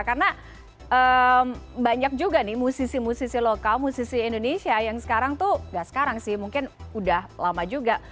karena banyak juga nih musisi musisi lokal musisi indonesia yang sekarang tuh enggak sekarang sih mungkin udah lama juga